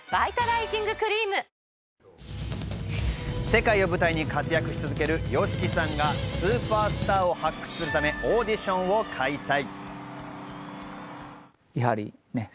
世界を舞台に活躍し続けるＹＯＳＨＩＫＩさんがスーパースターを発掘するためオーディションを開催。